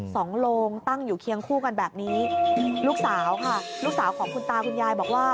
โลงตั้งอยู่เคียงคู่กันแบบนี้ลูกสาวค่ะลูกสาวของคุณตาคุณยายบอกว่า